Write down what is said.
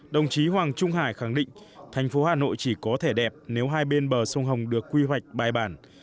đồng chí hoàng trung hải khẳng định thành phố hà nội chỉ có thể đẹp nếu hai bên bờ sông hồng được quy hoạch bài bản